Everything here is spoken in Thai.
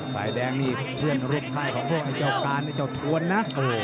สายแดงนี่เพื่อนรูปค่ายของวังเจ้าการวังเจ้าถ้วนนะ